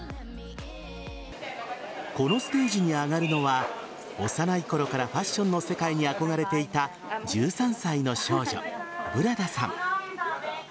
このステージに上がるのは幼いころからファッションの世界に憧れていた１３歳の少女ブラダさん。